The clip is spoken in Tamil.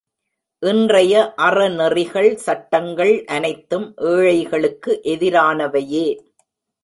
இன்றைய அறநெறிகள் சட்டங்கள் அனைத்தும் ஏழைகளுக்கு எதிரானவையே.